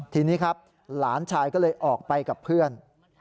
ทีนี้ครับหลานชายก็เลยออกไปกับเพื่อน